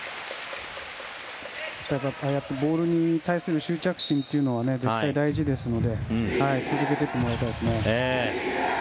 ボールに対する執着心というのは絶対に大事ですので続けていってもらいたいですね。